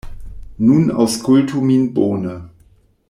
Nun aŭskultu min bone.